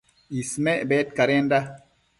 Ismec bedcadenda